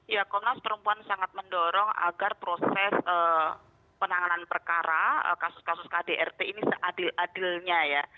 ya komnas perempuan sangat mendorong agar proses penanganan perkara kasus kasus kdrt ini seadil adilnya ya